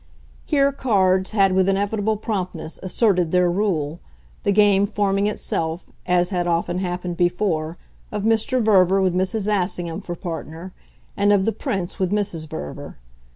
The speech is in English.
Here cards had with inevitable promptness asserted their rule, the game forming itself, as had often happened before, of Mr. Verver with Mrs. Assingham for partner and of the Prince with Mrs. Verver.